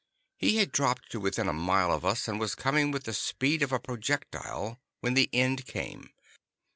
He had dropped to within a mile of us, and was coming with the speed of a projectile, when the end came.